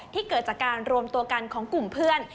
เกิดจากการรวมตัวกันของกลุ่มเพื่อน